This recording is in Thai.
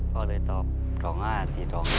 พศ๒๕๔๒